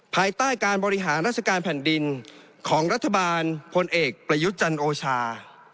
ภายใต้การบริหารราชการแผ่นดินของรัฐบาลพลเอกประยุทธ์จันโอชา